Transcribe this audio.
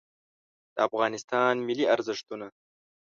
د افغانستان ملي ارزښتونه